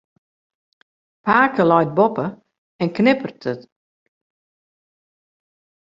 Pake leit boppe en knipperet efkes, dus ik moat hiel stil boartsje.